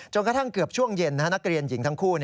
กระทั่งเกือบช่วงเย็นนักเรียนหญิงทั้งคู่